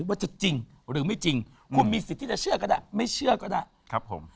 ว่าจะจริงหรือไม่จริงคุณมีสิทธิ์ที่จะเชื่อก็ได้ไม่เชื่อก็ได้ครับผม